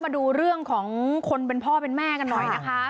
มาดูเรื่องของคนเป็นพ่อเป็นแม่กันหน่อยนะคะ